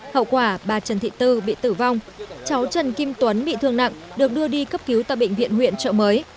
hậu quả bà trần thị tư bị tử vong cháu trần kim tuấn bị thương nặng được đưa đi cấp cứu tại bệnh viện huyện trợ mới